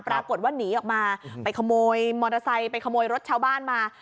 ปรากฏว่าหนีออกมาไปขโมยมอเตอร์ไซค์ไปขโมยรถชาวบ้านมา